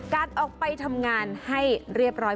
การออกไปทำงานให้เรียบร้อย